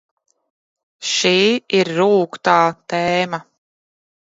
Šī ir rūgtā tēma...